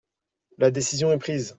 La décision est prise.